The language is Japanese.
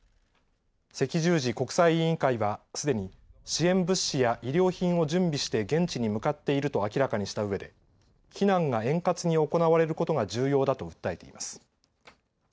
赤十字国際委員会はすでに支援物資や医療品を準備して現地に向かっていると明らかにしたうえで避難が円滑に行われることが重要だと訴えています。